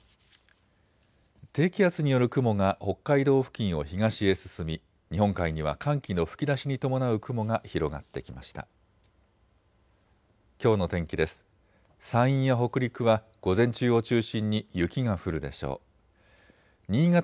低気圧による雲が北海道付近を東へ進み日本海には寒気の吹き出しに伴う雲が広がってきました。